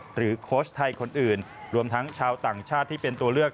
โค้ชไทยคนอื่นรวมทั้งชาวต่างชาติที่เป็นตัวเลือก